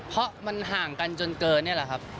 เพราะมันห่างกันจนเกินนี่แหละครับ